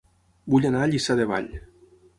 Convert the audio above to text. Vull anar a Lliçà de Vall